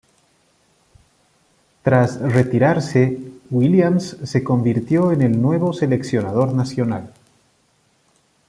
Tras retirarse, Williams se convirtió en el nuevo seleccionador nacional.